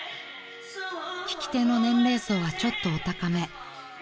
［聞き手の年齢層はちょっとお高め］